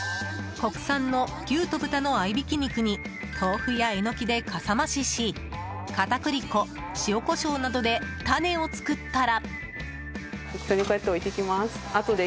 国産の牛と豚の合いびき肉に豆腐やエノキでかさ増しし片栗粉、塩、コショウなどでタネを作ったら。